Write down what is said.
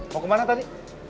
mau ke mana tadi